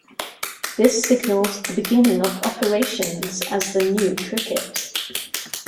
This signaled the beginning of operations as the new Cricket.